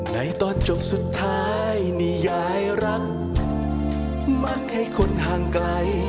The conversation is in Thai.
ในตอนจบสุดท้ายนี่ยายรักมักให้คนห่างไกล